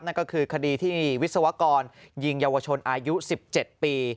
นั่นก็คือคดีที่วิศวกรยิงเยาวชนอายุ๑๗ปี